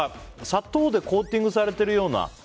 砂糖でコーティングされているような。